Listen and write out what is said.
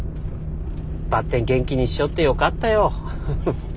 ばってん元気にしちょってよかったよ。